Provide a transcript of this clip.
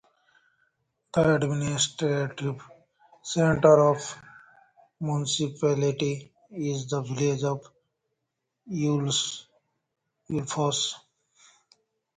The administrative centre of the municipality is the village of Ulefoss.